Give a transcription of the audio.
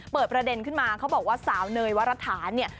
เปิดประเด็นขึ้นมาเค้าบอกว่าสาวเนยวัฒษานี่